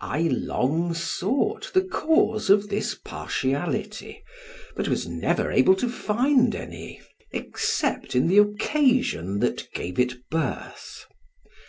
I long sought the cause of this partiality, but was never able to find any, except in the occasion that gave it birth.